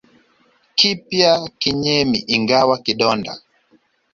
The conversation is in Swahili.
Kipya kinyemi ingawa kidonda